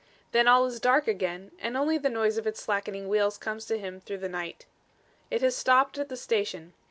Then all is dark again and only the noise of its slackening wheels comes to him through the night. It has stopped at the station.